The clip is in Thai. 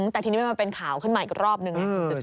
แต่ทีนี้มันมาเป็นข่าวขึ้นมาอีกรอบนึงไง